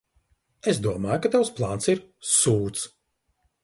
Es domāju, ka tavs plāns ir sūds.